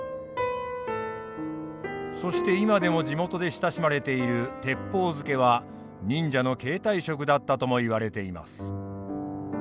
そして今でも地元で親しまれている鉄砲漬は忍者の携帯食だったともいわれています。